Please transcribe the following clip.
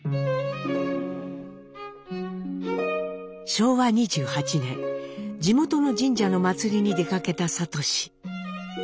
昭和２８年地元の神社の祭りに出かけた智。